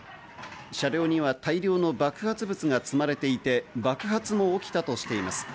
車両には大量の爆発物が積まれていて、爆発も起きたとしています。